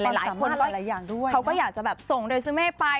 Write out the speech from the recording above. หลายคนเขาก็อยากจะส่งโดยซึเม่ไป